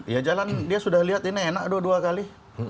ya jalan dia sudah lihat ini enak dua kali